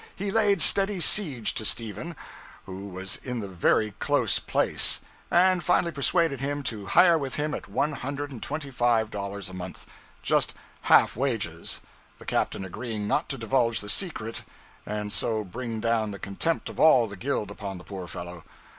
He laid steady siege to Stephen, who was in a very 'close place,' and finally persuaded him to hire with him at one hundred and twenty five dollars per month, just half wages, the captain agreeing not to divulge the secret and so bring down the contempt of all the guild upon the poor fellow.